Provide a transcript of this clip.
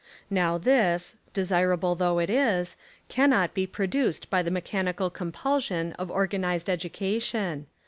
Now this, desirable though it Is, cannot be produced by the mechanical compul sion of organised education.